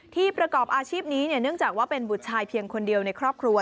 ประกอบอาชีพนี้เนื่องจากว่าเป็นบุตรชายเพียงคนเดียวในครอบครัว